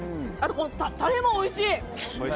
タレもおいしい！